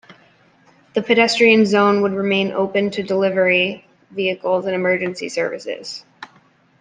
The pedestrian zone would remain open to delivery vehicles and emergency services.